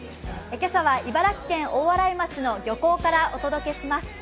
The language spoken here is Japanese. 今朝は茨城県大洗町の漁港からお届けします。